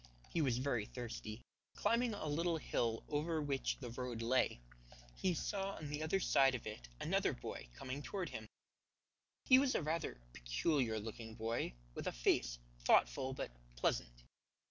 He was very thirsty. Climbing a little hill over which the road lay, he saw on the other side of it another boy coming toward him. He was rather a peculiar looking boy, with a face thoughtful but pleasant.